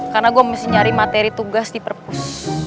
karena gue mesti nyari materi tugas di perpus